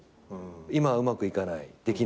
「今はうまくいかないできない」